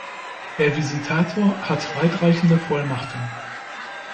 Der Visitator hat weit reichende Vollmachten.